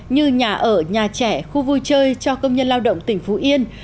như nhà ở nhà trẻ khu vui chơi cho công nhân lao động tỉnh phú yên